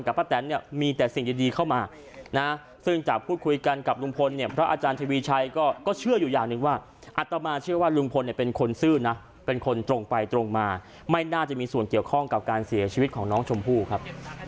ป้าแตนเนี่ยมีแต่สิ่งดีเข้ามานะซึ่งจากพูดคุยกันกับลุงพลเนี่ยพระอาจารย์ทวีชัยก็เชื่ออยู่อย่างหนึ่งว่าอัตมาเชื่อว่าลุงพลเนี่ยเป็นคนซื่อนะเป็นคนตรงไปตรงมาไม่น่าจะมีส่วนเกี่ยวข้องกับการเสียชีวิตของน้องชมพู่ครับ